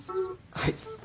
はい。